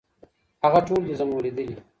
هغه ټول دي زمولېدلي